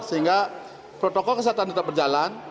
sehingga protokol kesehatan tetap berjalan